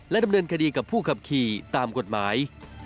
ดำเนินคดีกับผู้ขับขี่ตามกฎหมาย